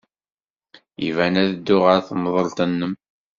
Iban ad dduɣ ɣer temḍelt-nnem.